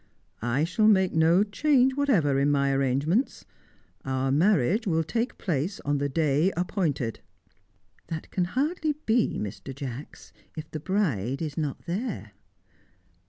"I shall make no change whatever in my arrangements. Our marriage will take place on the day appointed." "That can hardly be, Mr. Jacks, if the bride is not there."